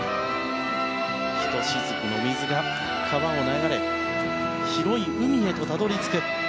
ひとしずくの水が川を流れ広い海へとたどり着く。